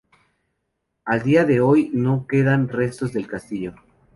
A día de hoy no quedan restos del castillo.